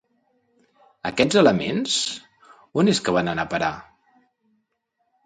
Aquests elements, on és que van anar a parar?